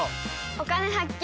「お金発見」。